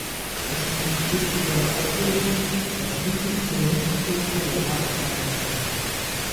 Es blieb bis zu seiner Auflösung das wichtigste Mönchskloster der Mark Brandenburg.